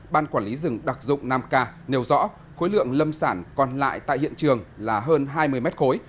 ban quản lý rừng đặc dụng năm k nêu rõ khối lượng lâm sản còn lại tại hiện trường là hơn hai mươi m khối